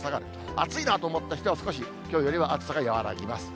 暑いなと思った人は、少しきょうよりは暑さ、和らぎます。